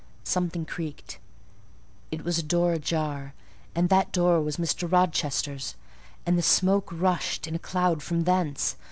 Something creaked: it was a door ajar; and that door was Mr. Rochester's, and the smoke rushed in a cloud from thence.